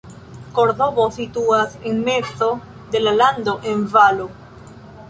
Kordobo situas en mezo de la lando en valo.